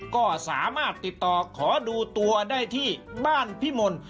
ก็สามารถติดต่อขอดูตัวได้ที่บ้านพิมล